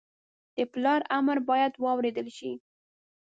د پلار امر باید واورېدل شي